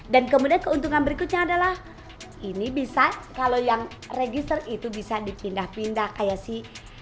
dan kemudian keuntungan berikutnya adalah ini bisa kalau yang register itu bisa dipindah pindah kayak si